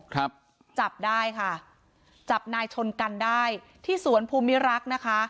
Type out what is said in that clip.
ครับจับได้ค่ะจับนายชนกันได้ที่สวนภูมิรักษ์นะคะ